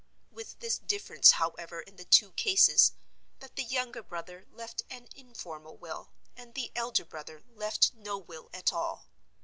With this difference, however, in the two cases, that the younger brother left an informal will, and the elder brother left no will at all.